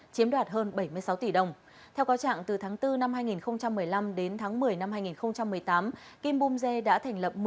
chiếm đoạt hơn bảy mươi sáu tỷ đồng theo cáo trạng từ tháng bốn năm hai nghìn một mươi năm đến tháng một mươi năm hai nghìn một mươi tám kim bum dê đã thành lập